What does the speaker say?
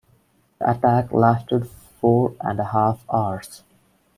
The attack lasted four and a half hours.